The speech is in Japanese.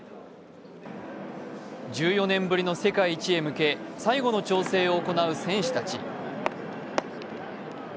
１４年ぶりの世界一へ向け最後の調整を行う選手たち。